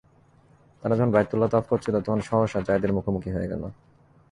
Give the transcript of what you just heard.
তারা যখন বাইতুল্লাহর তাওয়াফ করছিল তখন সহসা যায়েদের মুখোমুখি হয়ে গেল।